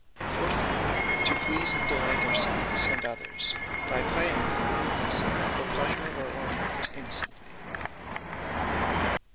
Fourthly, to please and delight our selves, and others, by playing with our words, for pleasure or ornament, innocently.